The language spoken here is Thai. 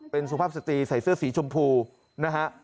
เป็นสุภาพสตรีใส่เสื้อสีชมพูนะฮะ